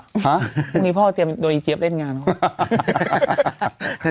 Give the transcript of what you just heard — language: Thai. พรุ่งนี้พ่อเตรียมโดนอีเจี๊ยเล่นงานนะคุณ